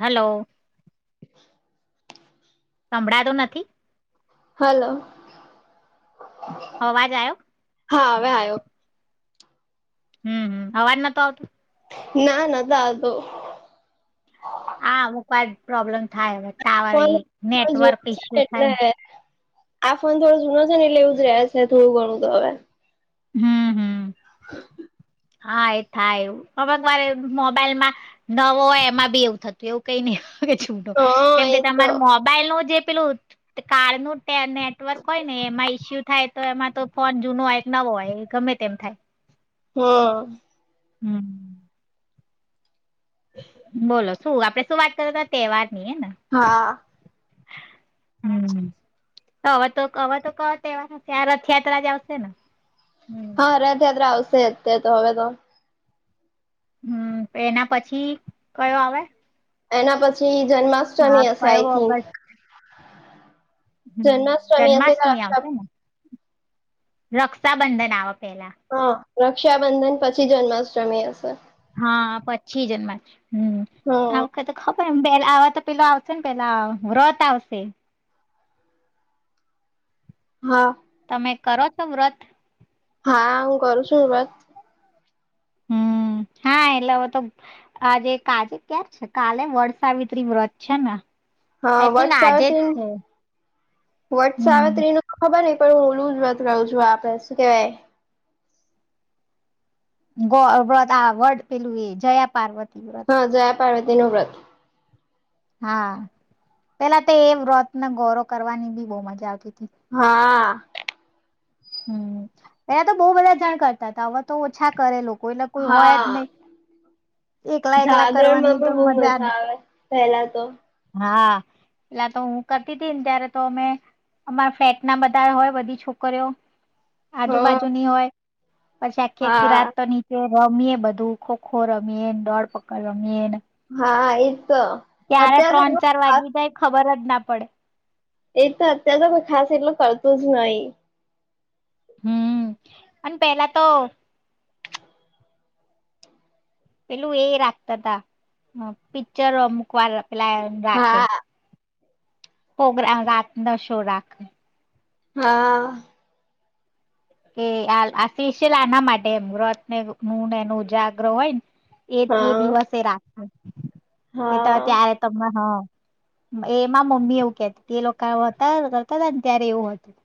Hello સંભળાતો નથી hello અવાજ આવ્યો હા હવે આવ્યો હમ અવાજ નતો આવતો ના નતા તો હામ ક પ્રોબ્લેમ થાય આ ટાવર ફોન થો નેટવર્ક જૂનો છે ઈસ્યુ થાય એટલે આ ફોન થોડો જૂનો ને એ લેવું જ ર છે થોડું ઘણું તો હવે હમ હમ હ હા એ થાય એવુંમક વાર મોબાઈલમાં નવો હોય એમાં બી એવું થતું એવું કઈ નહ છૂટો કેમ હા કે એ તો તમારે મોબાઈલ નું જે પેલું કાર ન નેટવર્ક હોય ને એમાં ઈસ્યુ થાય તો એમાં તો ફોન જૂનો હોય નવો હોય ગમે તેમ થાય હમ હમ બોલો શું આપડે શું વાત કરતા હતા તહેવાર ની હે ને હા હમ હવે તો હવે તો કવા રથયાત્રા જ આવશે ને હમ હા રથયાત્રા આવશે અત્યારે તો હવે તો હમ એના પછી કયો આવે એના પછી હા જન્માષ્ટમી હશે કયો આઈ થિંક હ જન્માષ્ટમી હશે કે જન્માષ્ટમી રક્ષા આવશે ને રક્ષાબંધન આવવા પેલા હા રક્ષાબંધન પછી જન્માષ્ટમી હશે હા પછી જન્મ હા પે આવા તો પેલો આવશે ને પેલા વ્રત આવશે હા તમે કરો છો વ્રત હા હું કરું છું વાત હમ હા એટલે હવે તો આજે કજે ક્યાર છે કાલે વર્ષાવતરી વ્રત છે ને હા આઈ થિંક વટ આજે જ સાવત્રી ન છે વટ હમ સાવત્રી નું ખબર ન પણ હુંલું જ વાત રહું છું આપે શું કેવાય વ્રત આ વર્ડ પેલું એ જયા પાર્વતી વ્રત પારતીનો વત હા પેલા તો એ વ્રત ન ગૌરોવ કરવાની બી બહુ મજા આવતી હતી હા હમ પેલા તો બહુ બધા જાણ કરતા હતા હવે તો ઓછા કરે કોઈ ના કોઈ હોય જ હા નહી એકલા એકલા જાગરણ માં કરવાની તો પણ બહુ મજા ને આવે પેલા તો હા એટલા તો હું કરતી હતીી ને ત્યારે તો અમે અમારા ફ્લેટ ના બધા હોય બધી છોકરીઓ હા આજુબાજુની હોય પછી આખી આખી રાત હા તો નીચે રમીએ બધું ખો ખો રમ મેન દોડ પકડવા મીન હા એ ત્યારે ત્રણ ચાર વાગી જાય ખબર જ ના પડે એ તો અત્ય્યારે તો ખાસ એટલું કરતું જ નહીિ હમ અને પેલા તો પેલું એ રાખતા હતા પિક્ચરો અમુક વાર પેલા રાખે હા પ્રગ્રામ રાત ન શો રાખે હા કે આ આ સેશ્યયલ આના માટેમ વ્રત ને નું ને એનો ઉ જાગ્રહ હોય ને એ એ હા દિવસે રાખ કે હા ત્યારે તને હ એમાં મમ્મી એવું કેતી તે લોકો હતા કરતા હતા ત્યારે એવું હતું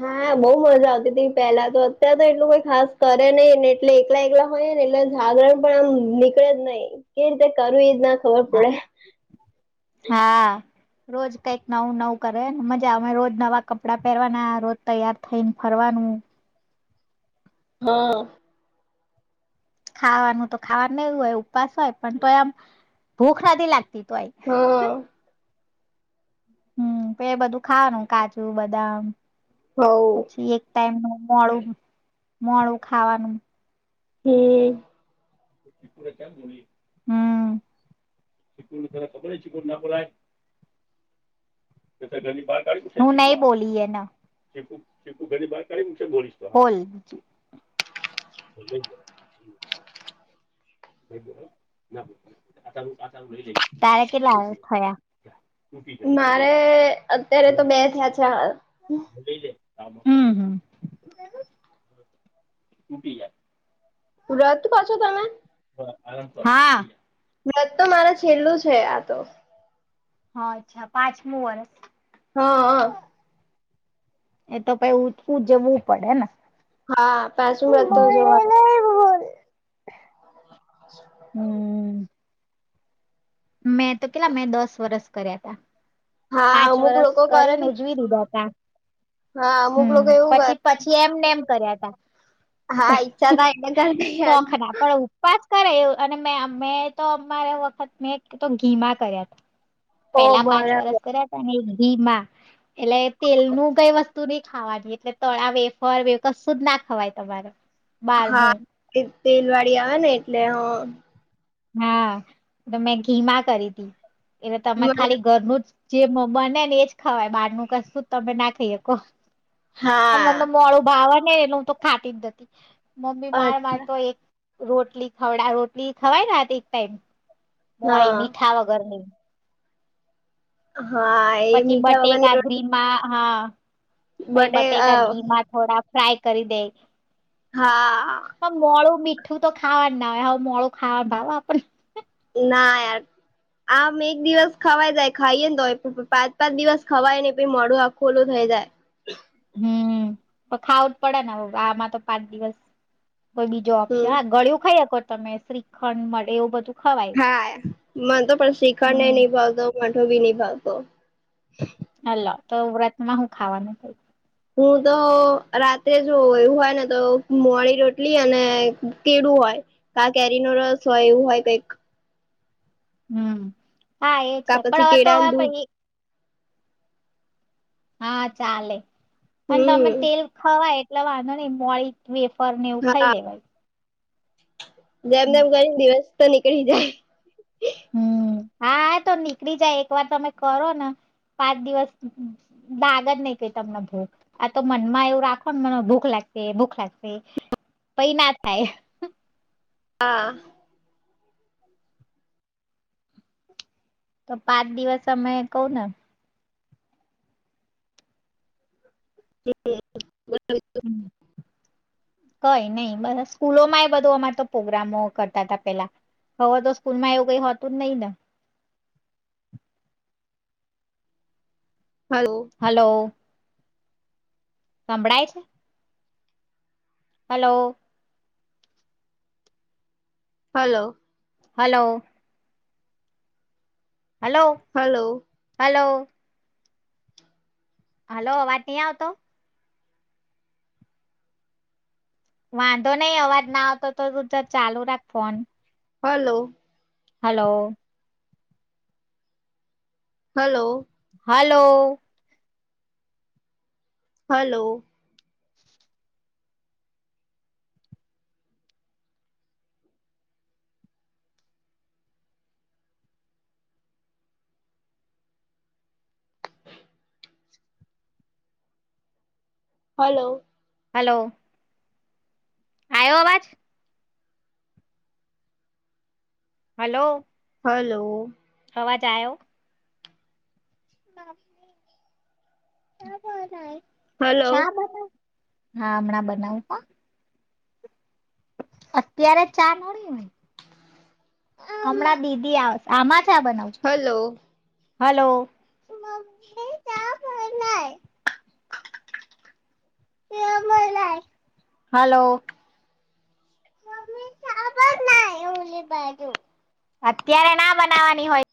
હા બઉ મજા આવતી હતી પેલા તો અત્ય્યારે તો એટલું કોઈ ખાસ કરે નહિને એટલે એકલા એકલા ને એટલે જાગરણ પણ આમ નીકળે જ નહી કે રીતે કરવી એ જ ના ખબર પડે હા રોજ કઈક નવું નવું કરેને મજા અમે રોજ નવા કપડાં પહેરવાના રોજ તૈયાર થઈને ફરવાનું [inaudible] હા ખાવાનું તો ખાવાનું એવું હોય ઉપવાસ હોય પણ તો એમ ભૂખ નથી લાગતી તો આઈ હા હમ પ બધું ખાવાનું કાજુ બદામ હવ પછી એક ટાઈમનું મોું મોું ખાવાનું હમ હમ ચિકુણને તરા ખબર હો ચિકુણ ના બોલાય હું નહી બોલી હ ના ચીખુ ચીખુ ઘની બાર કાઢીકશે બોલીશ તો [inaudible] તારે કેટલા થયા મારે અત્યારે તો બે થયા છે. હમ હમૂટી [unintelligible] રત પાછો તમે હા. વ્રત તો મારે છેલ્લું છે આ તો. હા અચ્છા પાંચમું વર્ષ. હા. એ તો પઈ ઉઠવું જવવું પડેને. હા પાછું લતો જોવા હમ. [unintelligible] મેં તો કેલા મેં દસ વરસ કર્યા ત હા પાંચ અમુક વરસ લોકો કરે કરીને બી ઉજવી દીધા ત્યા હા અમુક હમ લોકો એવું કરે પછી પછી એમને એમ કર્યા ત [unintelligible] હા ઈચ્છા થાય એટલે કરી દઈએ શખ આનું ના પણ ઉપવાસ કર અને મે અ મેમે તો અમારા વખત મેં તો ઘીમા કર્યા ઓ બરા ઘી એટલે તેલ નું કઈ વસ્તુ નહી ખાવાની. એટલે તળાવે ફરવે કશું જ ના ખવાય તમારે. હા બહારનું તેલવાડી આવે ને એટલે હ હા એ મેં ઘીમા કરી હતીી એલે તમે મને ખાલી ઘરનું જ જે બને ને એજ ખાવાય બાર નું કે શું તમે ના ખાઈ શકો. અને મતલ હા મોડું ભાવ ને એનું હ તો ખાટી જ હતી મમ્મી માર માર અચ્છા તો એક રોટલી ખવડા રોટલી ખવાય ના એક ટાઈમ મોડી હા મીઠા વગર ની હા એ પછી મીઠા વગરની બટેકા રોટલી ઘીમા હા પછ બટે અ બટેકા ઘીમા થોડા ટ્રાય કરી દે હા. પણ મોડું મીઠું તો ખાવા ના હોય હવે મોડું ખાવાનું ભાવ આપ ના. આમ એક દિવસ ખવાય જાય ખાઈએને તો હોય પાંચ પાંચ દિવસ ખવાય ને પ મોડું આ ખોલ્લું થાય જાય [unintelligible] હમ તો ખાવું જ પડે ને આમાં તો પાંચ દિવસ કોઈ બીજો ઓપ્શન હમ હા ગળિું ખાઈ શકો તમે શ્રીખંડ મળે એવું બધું. ખવાય હા મન તો પણ શીખણ ને હમ નહી ભાવતો મોઠો ભી નહી ભાવતો. અલો તો વ્રત માં હું ખાવાનું થ હું તો રાત્રે જો એવું હોય ને તો મોડી રોટલી અને કેડું હો હો ક કેરી ન રસ હોય એવું હોય કઈક. હમ હા એ છે કા પણ પછી હવે તો કેળાનું દૂધ હા ચાલે અને તમે તેલ હમ ખવાય એટલે વાંધો નઈ મોડી પર નેવું ખાઈ હા લેવાય. જેમ હમ તેમમ કરીને દિવસ તો નીકળી જાય. હા હા તો નીકળી જાય એક વાર તમે કરો ને પાંચ દિવસ દાગ જ નહી ક તમને ભૂખ આ તો મનમાં એવું રાખો ને મને ભૂખ લાગે ભૂખ લાગશે પઈ ના થાય હા. તો પાંચ દિવસ અમે કવ ને હમ. હમ, [unintelligible] કઈ નહી બ સ્કૂલોમાં એ બધું અમાં તો પ્રોગ્રામો કરતા હતા પેલા હવે તો સ્કૂલ માં એવું કઈ હોતું જ નહીિ ને. Hello hello. સંભળાય છે. Hello hello hello hello hello hello વાત નહી આવતો વાંધો નહી આવાજ ના આવતો તો ત ચાલુ રાખ phone hello hello hello hello hello hello hello આવ્યો આવાજ હલો હલો અવાજ આવ્યો [unintelligible] હલો હા હમણાં બનાવ પણ. અત્યારે ચા મળી હોય. હમણાં દીદી આવ આમાં જ. હલો. હલો. હલો. [inaudible] અત્યારે ના બનાવાની હોય.